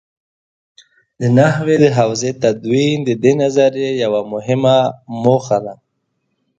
د نحوې د حوزې تدوین د دې نظریې یوه مهمه موخه ده.